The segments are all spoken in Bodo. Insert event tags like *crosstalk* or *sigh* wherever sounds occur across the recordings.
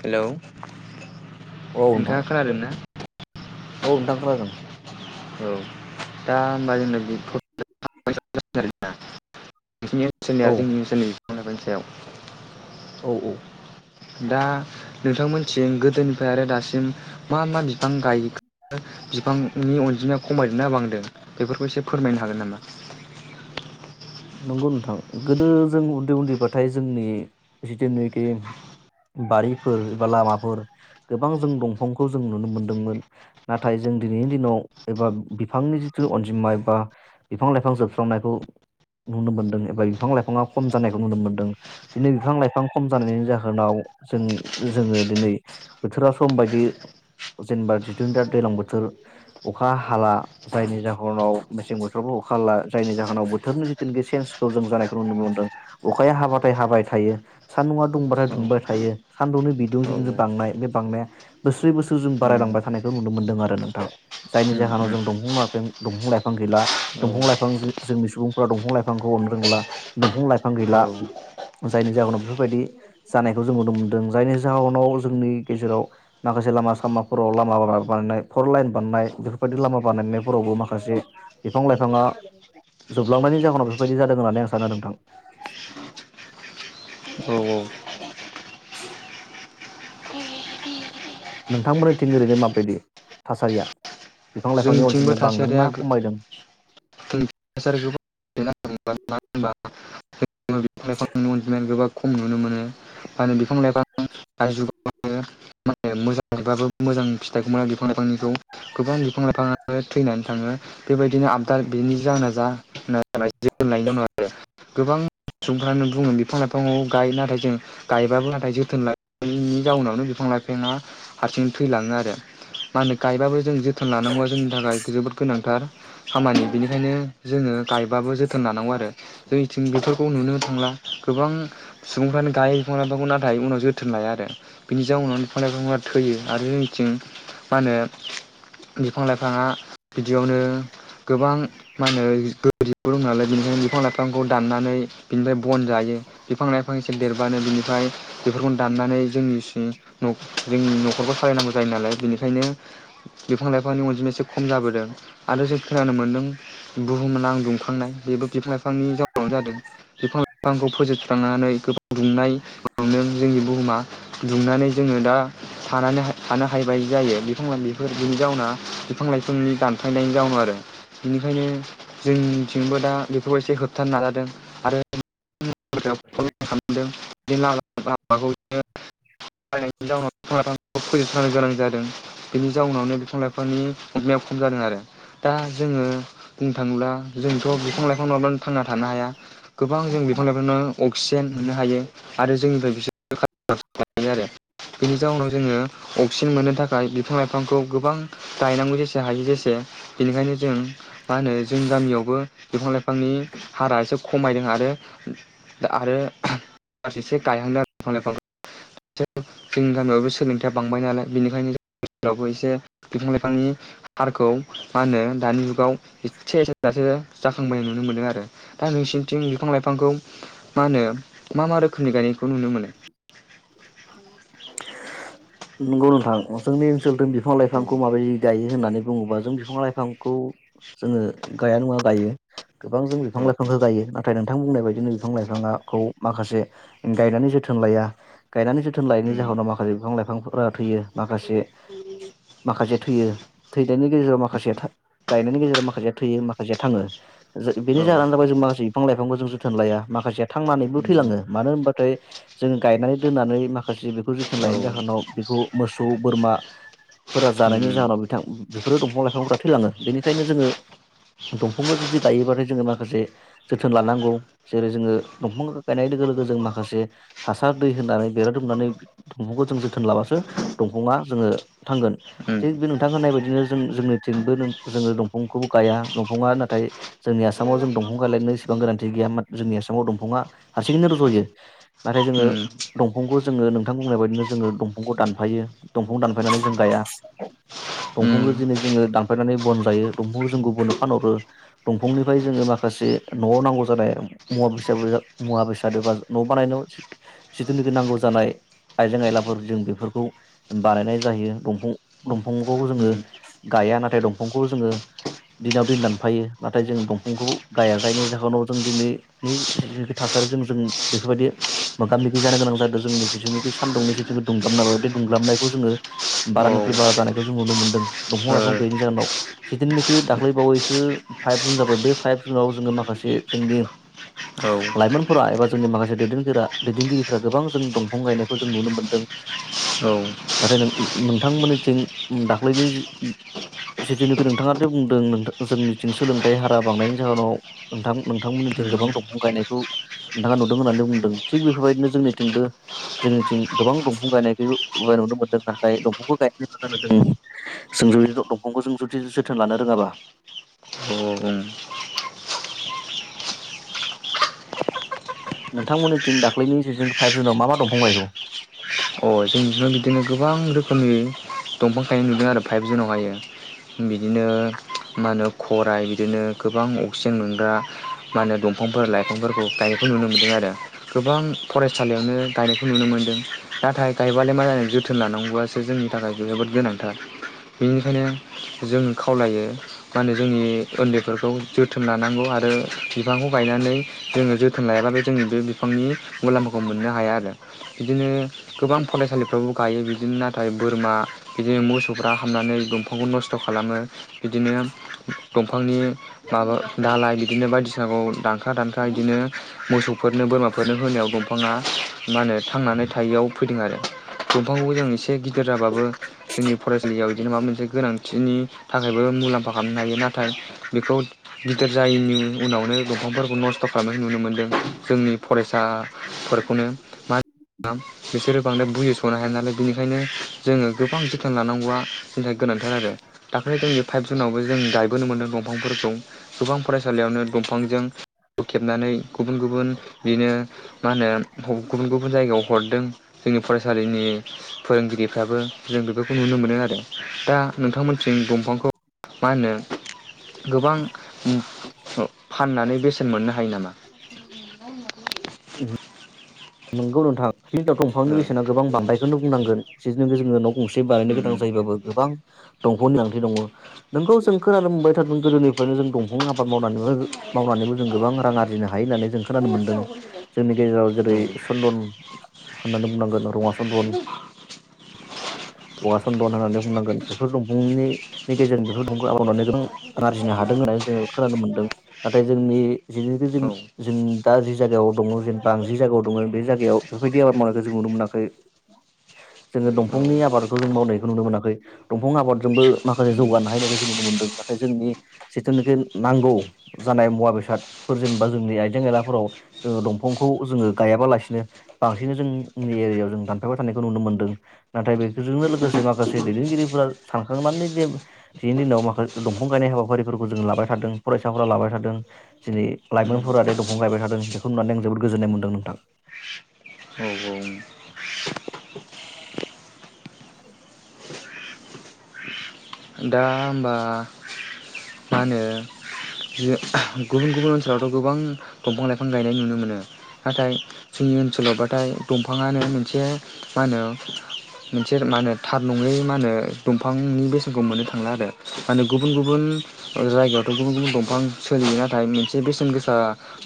हेलौ *inaudible* औ नोंथां नोंथाङा खोनादों ना? औ नोंथां खोनादों। औ दा होमबा जोंना *unintelligible* नोंसिनि ओनसोलनिया औ जोंनि ओनसोलनि *unintelligible* याव‌ *inaudible* औ औ। दा नोंथांमोनथिं गोदोनिफ्राय आरो दासिम मा मा बिफां गायखो बिफांनि अनजिमाया खमायदोंना बांदों बेफोरखौ एसे फोरमायनो हागोन नामा? नंगौ नोंथां गोदो जों उन्दै उन्दैबाथाय जोंनि जिथुनाखि बारिफोर एबा लामाफोर गोबां जों दंफांखौ जों नुनो मोनदोंमोन नाथाय जों दिनैनि दिनाव एबा बिफांनि जिथु अनजिमा एबा बिफां-लाइफां जोबस्रांनायखौ नुनो मोन्दों एबा बिफां लाइफाङा खम जानायखौ नुनो मोनदों दिनै बिफां लाइफां खम जानायनि जाहोनाव जों जोङो दिनै बोथोरा सम बायदि जेनेबा जिथुुन दा दैलां बोथोर अखा हाला जायनि जाहोनाव मेसें बोथोरावबो अखा हाला जायनि जाहोनाव बोथोरनि जि जों बे चेन्सखौ जों जानायखौ नुनो मोनदों अखाया हाबाथाय हाबाय थायो सान्दुंआ दुंबाथाय औ दुंबाय थायो सान्दुंनि बिदुं औ जिथुनाखि बांनाय बे बांनाया बोसोरै बोसोर जों उम बारायलांबाय थानायखौ नुनो मोनदों आरो नोंथां। जायनि उम जाहोनाव उम जों दंफां माफं दंफां-लाइफां गैला औ दंफां लाइफां जो जोंनि सुबुं फोरा दंफं-लाइफांखौ अननो रोंला दंफां-लाइफां गैला औ जायनि जाहोनाव बेफोरबायदि जानायखौ जों नुनो मोन्दों जायनि जाहोनाव जोंनि गेजेराव माखासे लामा सामाफोराव लामा बानायनाय फर लाइन बानायनाय बेफोरबायदि लामा बानायनायफोरावबो माखासे बिफां-लाइफाङा जोबलांनायनि जाहोनाव बेफोरबायदि जादों होननानै आं सानो नोंथां। औ *unintelligible* नोंथांमोननिथिं ओरैनो माबायदि थासारिया? बिफां लाइफांनि जोंनिथिंबो अनजिमाया थासारिया बांदोंना खमायदों? *unintelligible* मानो होनबा बिफां लाइफांनि *inaudible* अनजिमायानो गोबां खम नुनो मोनो मा होनो बिफां लाइफां *unintelligible* मोजां मोजां फिथाइखौ मोना बिफां लाइफांनिखौ गोबां बिफां लाइफांआनो थैनानै थाङो बेबायदिनो आबदार बेनि जाहोना जा *unintelligible* उनाव आरो गोबां सुबुंफ्रानो बुङो बिफां लाइफांआव गायो नाथाय जों गायबाबो नाथाय जोथोन लायिनि जाउनावनो बिफां लाइफाङा हारसिं थैलाङो आरो मा होनो गायबाबो जों जोथोन लानांगौआ जोंनि थाखाय जोबोद गोनांथार। खामानि बेनिखायनो जोङो गायबाबो जोथोन लानांगौ आरो जोंनिथिं बेफोरखौ नुनो थांला। गोबां सुबुंफ्रानो गायो बिफां लाइफांखौ नाथाय उनाव जोथोन लाया आरो बिनि जाऊनाव बिफां लाइफांफ्रा थैयो आरो जोंनिथिं मा होनो बिफां लाइफाङा बिदियावनो गोबां मा होनो नालाय बेनिखायनो बिफां लाइफांखौ दाननानै बिनिफ्राय बन जायो बिफां लाइफां एसे देरबानो बिनिफ्राय बेफोरखौनो दाननानै जोंनिसि जोंनि नखरखौ सालायनांगौ जायो नालाय बेनिखायनो बिफां लाइफांनि अनजिमा एसे खम जाबोदों आरो जों खोनानो मोनदों बुहुमनां दुंखांनाय बेबो बिफां लाइफांनि जाऊनावनो जादों। बिफांखौ फोजोबस्रांनानै गोबां दुंनाय नुदों जोंनि बुहुमा दुंनानै जोङो दा थानानै थानो हायिबायदि जायो बिफां लाइफोर बिनि जाऊनाव बिफां लाइफांनि दानफ्लायनायनि जाऊनाव आरो बेनिखायनो जोंनिथिंबो दा बेखौ एसे होबथानो नाजादों। *inaudible* *unintelligible* गोबां जों बिफां लाइफांनो अक्सिजेन मोननो हायो आरो जोंनिफ्राय बिसोरो कारबनडाय अक्साइड मोननो हायो आरो बेनि जाऊनाव जोङो अक्सिजेन मोननो थाखाय बिफां लाइफांखौ गोबां गायनांगौ जेसे हायो जेसे बेनिखायनो जों मा होनो जोंनि गामियावबो बिफां लाइफांनि हारा एसे खम। खमायदों आरो आरो एसे गायहांदों आरो बिफां लाइफांखौ जोंनि गामियावबो सोलोंथायया बांबाय नालाय बेनिखायनो ओनसोलावबो एसे बिफां लाइफांनि हारखौ मा होनो दानि जुगाव *unintelligible* जाखांबोनाय नुनो मोनदों आरो दा नोंसि बिफां लाइफांखौ मा होनो मा मा रोखोमनि गायनायखौ नुनो मोनो? नंगौ नोंथां जोंनि सोलथिं बिफां औ लाइफांखौ माबोरै गायो होननानै बुङोबा जों बिफां लाइफांखौ जोङो गाया नङा गायो गोबां जों बिफां लाइफां गायो नाथाय नों नोंथां बुंनाय बायदिनो बिफां लाइफाङाखौ माखासे गायनानै जोथोन लाया। गायनानै जोथोन लायैनि जाहोनाव माखासे बिफां लाइफांफोरा थैयो माखासे माखासे थैयो थैनायनि गेजेराव माखासे माखासेया गायनायनि गेजेराव माखासेया थैयो माखासेया थाङो। बेनो औ जाहोना जाबाय जों माखासे फां लाइफांखौ जों जोथोन लाया माखासे थांनानैबो उम थैलाङो मानो होनबाथाय जों गायना दोन्नानै माखासे बेखौ जोथोन औ उम औ लायैनि जाहोनाव बेखौ मोसौ बोरमा फोरा जानायनि उम जाहोनाव बिथां बेफोरो दंफां लाइफांफोरा थैलाङो बेनिखायनो जोङो दंफांखौ जुदि गायोबाथाय जोङो माखासे जोथोन लानांगौ जेरै जोङो दंफां गायनाय लोगो लोगो जों माखासे हासार दै होनानै बेरा दुमनानै दंफांखौ जों जोथोन लाबासो दंफाङा जोङो थांगोन थिग बे उम नोंथां होननाय बायदिनो जों जोंनिथिंबो जोङो दंफांखौबो गाया दंफाङा नाथाय जोंनि आसामाव जों दंफां गायलायनो इसेबां गोनांथि गैया जोंनि आसामाव दंफाङा हारसिङैनो रजयो नाथाय जोङो। उम दंफांखौ जोङो नोंथां बुंनाय बायदिनो जोङो दंफांखौ दानफायो दंफां दानफायनानै जों गाया उम दंफांखौ दिनै जोङो दानफायनानै बन जायो दंफांखौ जों गुबुननो फानहरो दंफांनिफ्राय जोङो माखासे नआव नांगौ जानाय मुवा बेसाद मुवा बेसाद बा न बानायनायाव। जिथुनाखि नांगौ जानाय आइजें आयलाफोर जों बेफोरखौ बानायनाय जायो दंफां दंफांखौ जोङो उम गाया नाथाय दंफांखौ जोङो दिनाव दिन दानफायो नाथाय जों दंफांखौ गाया जायनि जाहोनाव जों दिनैनि जिखि थासारिजों जों बेफोरबायदि मोगा मोगि गोनां जादों जोंनि जिथुनिखि सानदुं जि दुंग्लाबनाय बे दुंग्लाबनायखौ जोङो औ ओ बारानिफ्राय बारा जानायखौ जों नुनो मोनदों दंफां औ लाइफां गैयैनि जाहोनाव जिथुनिखि दाख्लैबावैसो फाइभ जुन जाबाय बे फाइभ जुनाव जोङो माखासे जोंनि औ लाइमोनफोरा एबा जोंनि माखासे दैदेनगिरि दैदेनगिरि गोबां जों दंफां गायनायखौ जों नुनो मोनदों उम नाथाय नों नोंथांमोननिथिं दाख्लैनि जिथिनिखि नोंथांङादि बुंदों जोंनिथिं सोलोंथाइ हारा बांनायनि जाहोनाव नोंथां नोंथांमोननिथिं गोबां दंफां गायनायखौ नोंथांङा नुदों होननानै बुंदों थिग बेफोर बायदिनो जोंनिथिंबो-जोंनिथिं गोबां दंफां गायनायखौ नुनो मोनदों नाथाय दंफांखौ गायनायनि उनाव जों दंफांखौ जों जुदि जोथोन लानो रोंङाबा। औ उम नोंथां मोननिथिं दाख्लैनि जे फाइभ जुनाव मा मा दंफां गायखौ अ जों बिदिनो गोबां रोखोमनि दंफां गायनाय नुदों आरो फाइभ जुनावहायो बिदिनो मा होनो खराय बिदिनो गोबां अक्सिजेन मोनग्रा मा होनो दंफांफोर लाइफांफोरखौ गायनायखौ नुनो मोनदों आरो। गोबां फरायसालियावनो गायनायखौ नुनो मोनदों नाथाय गायबालाय मा जानो जोथोन लानांगौआसो जोंनि थाखाय जोबोद गोनांथार। बिनिखायनो जों खावलायो मा होनो जोंनि उन्दैफोरखौ जोथोन लानांगौ आरो बिफांखौ गायनानै जोंङो जोथोन लायाबाबो जों बे बिफांनि मुलाम्फाखौ मोननो हाया आरो बिदिनो गोबां फरायसालिफ्रावबो गायो बिदिनो नाथाय बोरमा बिदिनो मोसौफ्रा हाबनानै दंफांखौ नस्थ खालामो बिदिनो दंफांनि माबा दालाय बिदिनो बायदिसिनाखौ दानखा-दानखा बिदिनो मोसौफोरनो बोरमाफोरनो होनायाव दंफाङा मा होनो ओ थांनानै थायियाव फैदों आरो दंफांखौबो जों एसे गिदिर जाबाबो जोंनि फरायसालियाव बिदिनो माबा मोनसे गोनांथिनि थाखायबो मुलाम फा खालामनो हायो नाथाय बेखौ गिदिर जायैनि उनावनो दंफांफोरखौ नस्थ खालामनाय नुनो मोन्दों जोंनि फरायसाफोरखौनो मा बिसोरो बांद्राय बुजिसनो हाया नालाय बेनिखायनो जों गोबां जोथोन लानांगौआ जोंहा गोनांथार आरो दाखाै जोंनि फाइभ जुनावबो जों गायबोनो मोनदों दंफांफोरखौ गोबां फरायसालियावनो दंफांजों खेबनानै गुबुन-गुबुन बिदिनो मा होनो गुबुन-गुबुन जायगायाव हरदों। जोंनि फरायसालिनि फोरोंगिरिफ्राबो जों बेफोरखौ नुनो मोनो आरो दा नोंथांमोनथिं दंफांखौ मा होनो गोबां ओ फाननानै बेसेन मोननो हायो नामा। नोंगौ नोंथां बि दंफांनि बेसेना गोबां बांबायखौनो बुंनांगोन जि *unintelligible* गंसे बानायनो गोनां जायोबाबो गोबां दंफां गोनांथि दंङ नोंगौ जों खोनानो मोनबाय थादोंमोन गोदोनिफ्रायनो जों दंफां आबाद मावनानैबो-मावनानैबो जों गोबां रां आरजिनो हा हायो होननानै जों खोनानो मोन्दों जोंनि गेजेराव औ जेरै चन्दन होननानै बुंनांगोन रङा चन्दन बगा चन्दन होननानै बुंनांगोन बेफोर दंफांनि नि गेजेरजों बेफोर दंफांखौ आबाद मावनानै गोबां आरजिनो हादों होननानै जोंङो खोनानो मोनदों नाथाय जोंनि जिखि ज औ जों दा जायगायाव दंङ जेनबा आंङो जि जायगायाव दं बे जायगायाव बेफोरबायदि आबाद मावनायखौ जों नुनो मोनाखै। जोंङो औ दंफांनि आबादखौ जों मावनायखौ नुनो मोनाखै। दंफां आबाद जोंबो माखासे जौगानो हायनायखौ जों नुनो मोनदों नाथाय जोंनि जिथुनिखि नांगौ जानाय मुवा बेसादफोर जेनेबा जोंनि आयजें आयलाफोराव जोंङो दंफांखौ जोंङो गायाबालासिनो बांसिन जोंनि एरियायाव जों दानफायबाय थानायखौ नुनो मोनदों नाथाय बेजोंनो लोगोसे माखासे दैदेनगिरिफोरा सानखांनानै जे दिनैनि दिनाव माखासे दंफां गायनाय हाबाफारिफोरखौ जों लाबाय थादों फरायसाफोरा लाबाय थादों दिनै औ लायमोनफोरा दे दंफां गायबाय थादों बेखौ नुनानै आं जोबोद गोजोननाय मोन्दों। औ *unintelligible* *inaudible* दा होमबा मा होनो बे गुबुन-गुबुन ओनसोलावथ गोबां दंफां लायफां गायनाय नुनो मोनो नाथाय जोंनि ओनसोलाव बाथाय दंफाङानो मोनसे मा होनो मोनसे मा होनो थार नङै मा होनो दंफांनि बे खौ मोननो थांला आरो माने गुबुन-गुबुन जायगायावथ गुबुन-गुबुन दं फां गोबां सोलियो नाथाय मोन से बेसेन गोसा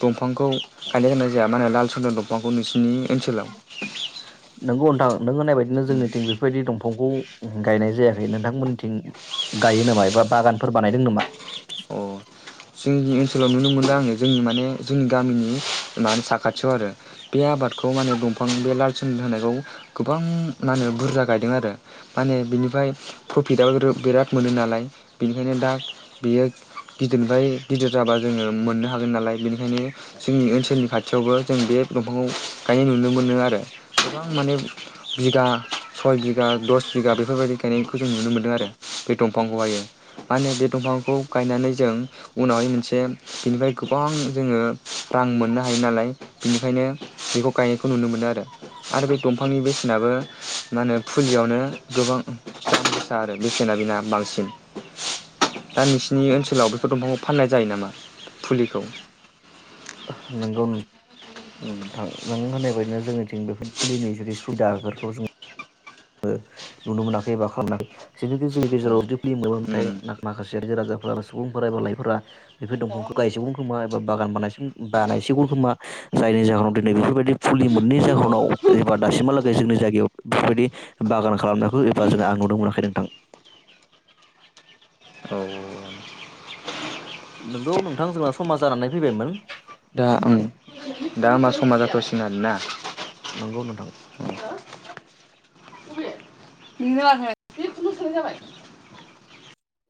दंफांखौ गायनाय होनाय जाया माहोनो लाल सन्दन दंफांखौ नोंसिनि ओनसोलाव नोंगौ नोंथां नों होननाय बायदिनो जोंनिथिं बेफोरबायदि दं दंफां गायनाय जायाखै नोंथांमोननिथिं गायो नामा एबा बागानफोर बानायदों नामा? अ जोंनि ओनसोलाव नुनो मोनदों आङो जोंनि माने जोंनि गामिनि मा साखाथियाव आरो बे आबादखौ माने दंफां बे लाल स होनायखौ गोबां माने बुरजा गायदों आरो माने बिनिफ्राय प्रफिटाबबो बिराद मोनो नालाय बेनिखायनो दा बेयो दि गिदिरनिफ्राय गिदिर जाबा जोङो मोननो हागोन नालाय बेनिखायनो जोंनि ओनसोलनि खाथियावबो जों बे दंफांखौ गायनाय नुनो मोनो आरो गोबां माने बिगा सय बिगा दस बिगा बेफोरबायदि गायनायखौ जों नुनो मोनदों आरो बे दंफांखौहायो मा होनो बे दंफांखौ गायनानै जों उनावहाय मोनसे बिनिफ्राय गोबां जोङो रां मोननो हायो नालाय बिनिखायनो बेखौ गायनायखौ नुनो मोनो आरो आरो बे दंफांनि बेसेनाबो मा होनो फुलियावनो गोबां दाम गोसा आरो बेसेना बेना बांसिन दा नोंसिनि ओनसोलाव बे दंफाङाव फाननाय जायो नामा फुलिखौ नंगौ नों थां नों होननाय बायदिनो जोंनि थिं बेफोर फुलिनाय जुदि सुबिदा बेफोरखौ जों आङो नुनो मोनाखै एबा खालामाखै जिहेखि जोंनि औ गेजेराव ज *unintelligible* रायजो राजाफोरा सुबुंफोरा एबा लाइफोरा बेफोर दंफांखौ गायजोबगोन खोमा गय बागान बानायसिम बानायसिगोन खोमा जायनि जाहोनाव दिनै बेफोरबायदि फुलि मोननि जाहोनाव एबा दासिमहालागै जोंनि जायगायाव बेफोरबायदि बागान खालामनाय एबा जो आं नुनो मोनाखै नोंथां। *inaudible* औ औ नोंगौ नोंथां जोंना समा जानानै फैबायमोन दा आं दा होमबा समा जाथ'सिगोन आरो ना नंगौ नोंथां ननो जाबाय *unintelligible*